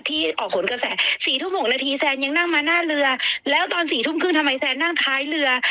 ที่ออกผลกระแส๔ทุ่ม๖นาทีแซนยังนั่งมาหน้าเรือแล้วตอนสี่ทุ่มครึ่งทำไมแซนนั่งท้ายเรือ